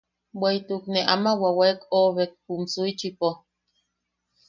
Bweʼituk te ama wawaek oʼobek jum Suichipo.